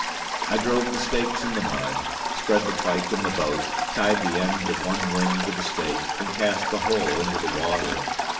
I drove the stakes in the mud, spread the fyke in the boat, tied the end of one wing to the stake, and cast the whole into the water.